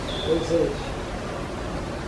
ausente